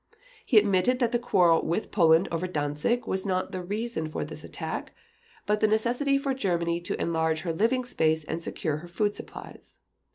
He admitted that the quarrel with Poland over Danzig was not the reason for this attack, but the necessity for Germany to enlarge her living space and secure her food supplies.